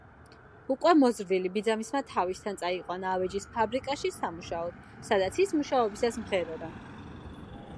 უკვე მოზრდილი ბიძამისმა თავისთან წაიყვანა ავეჯის ფაბრიკაში სამუშაოდ, სადაც ის მუშაობისას მღეროდა.